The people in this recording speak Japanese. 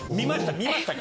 見ましたか？